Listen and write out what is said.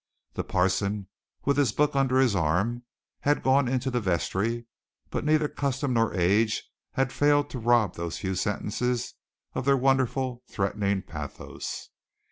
The parson, with his book under his arm, had gone into the vestry, but neither custom nor age had failed to rob those few sentences of their wonderful, threatening pathos.